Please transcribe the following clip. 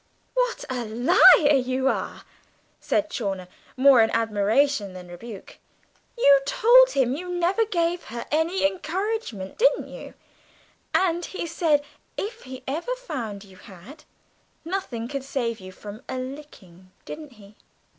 "What a liar you are!" said Chawner, more in admiration than rebuke. "You told him you never gave her any encouragement, didn't you? And he said if he ever found you had, nothing could save you from a licking, didn't he?"